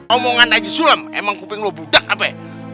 omongan aja sulam emang kuping lo budak abe